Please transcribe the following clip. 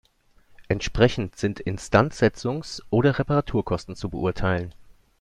Entsprechend sind Instandsetzungs- oder Reparaturkosten zu beurteilen.